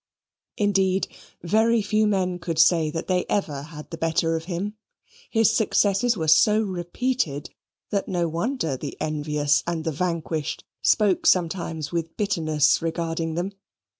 Indeed, very few men could say that they ever had the better of him. His successes were so repeated that no wonder the envious and the vanquished spoke sometimes with bitterness regarding them.